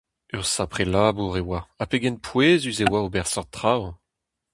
Ur sapre labour e oa, ha pegen pouezus e oa ober seurt traoù !